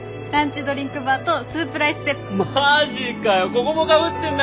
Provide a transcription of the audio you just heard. ランチドリンクバーとスープライスセット。